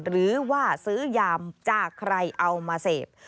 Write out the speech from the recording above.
หรือว่าซื้อยามจากใครเอามาเสพ